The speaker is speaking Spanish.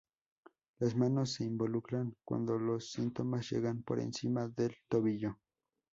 Las manos se involucran cuando los síntomas llegan por encima del tobillo.